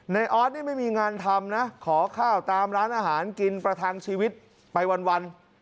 ออสนี่ไม่มีงานทำนะขอข้าวตามร้านอาหารกินประทังชีวิตไปวัน